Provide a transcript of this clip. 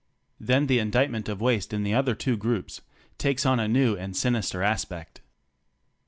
Then the indictment of waste in the other two groups takes on a new and sinister aspect.